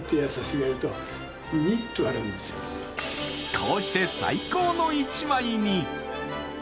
こうして最高の一枚に。